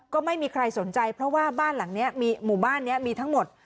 ก็ไม่มีใครสนใจเพราะว่าบ้านหลังนี้มีหมู่บ้านนี้มีทั้งหมด